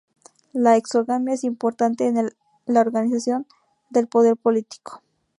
La exogamia es importante en la organización del poder político.